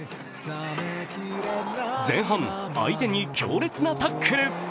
前半、相手に強烈なタックル。